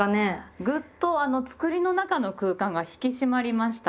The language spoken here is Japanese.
グッとつくりの中の空間が引き締まりました。